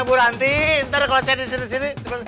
bisa kitar kalau saya di sini